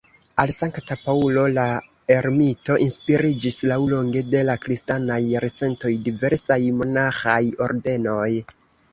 Al Sankta Paŭlo la Ermito inspiriĝis laŭlonge de la kristanaj jarcentoj diversaj monaĥaj ordenoj.